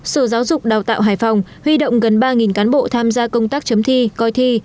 sở giáo dục đào tạo hải phòng huy động gần ba cán bộ tham gia công tác chấm thi coi thi